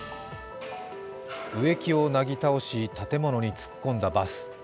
植木をなぎ倒し、建物に突っ込んだバス。